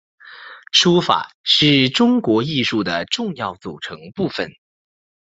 书法是中国艺术的重要组成部份。